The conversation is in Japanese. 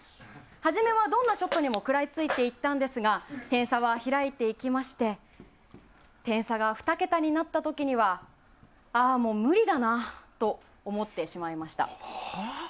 初めはどんなショットにも食らいついていきましたが点差は開いていきまして点差が２桁になった時にはもう無理だなと思ってしまいました。